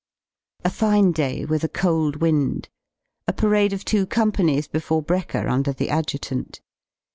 A fine day with a cold wind. A parade of two Companies before brekker under the Adjutant.